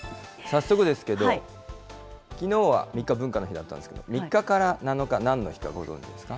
早速ですけど、きのうは３日、文化の日だったんですけど、３日から７日、なんの日かご存じですか？